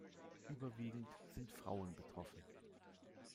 Überwiegend sind Frauen betroffen.